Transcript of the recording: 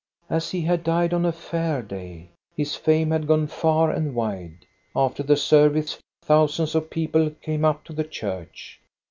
" As he had died on a Fair day, his fame had gone far and wide. After the service, thousands of people came up to the church.